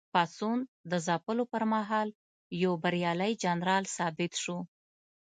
پاڅون د ځپلو پر مهال یو بریالی جنرال ثابت شو.